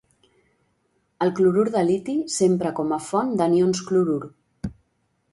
El clorur de liti s'empra com a font d'anions clorur.